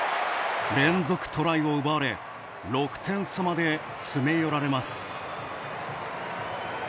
連続トライを奪われ６点差まで詰め寄られます。